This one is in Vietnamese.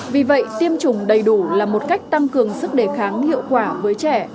vì vậy tiêm chủng đầy đủ là một cách tăng cường sức đề kháng hiệu quả với trẻ